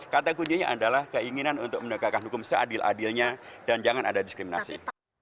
kata kuncinya adalah keinginan untuk menegakkan hukum seadil adilnya dan jangan ada diskriminasi